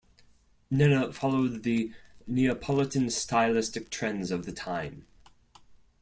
Nenna followed the Neapolitan stylistic trends of the time.